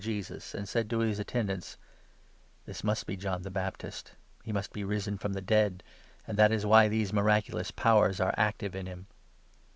Jesus, and said to his attendants :" This must be John the Baptist ; he must be risen from the dead, and that is why these miraculous powers are active in him."